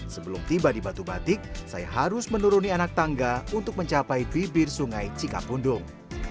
sebelum tiba di batu batik saya harus menuruni anak tangga untuk mencapai bibir sungai cikapundung